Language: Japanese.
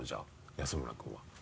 安村君は。